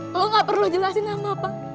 lo gak perlu jelasin nama apa